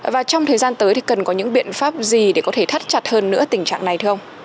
và trong thời gian tới cần có những biện pháp gì để có thể thắt chặt hơn nữa tình trạng này không